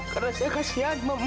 karena saya kasihan sama ibu